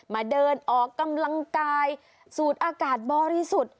มาเดินออกกำลังกายสูดอากาศบอดที่สุด